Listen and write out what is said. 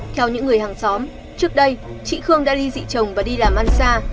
theo những người hàng xóm trước đây chị khương đã đi dị chồng và đi làm ăn xa